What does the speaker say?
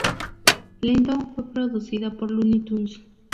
Lento fue producida por Luny Tunes.